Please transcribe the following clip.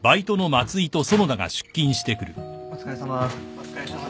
お疲れさま。